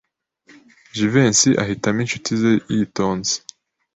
Jivency ahitamo inshuti ze yitonze.